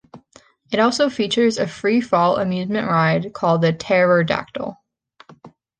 It also features a free-fall amusement ride called the Terror-Dactyl.